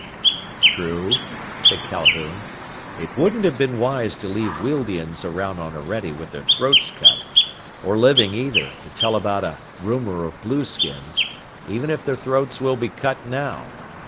"True," said Calhoun. "It wouldn't have been wise to leave Wealdians around on Orede with their throats cut. Or living, either, to tell about a rumor of blueskins. Even if their throats will be cut now.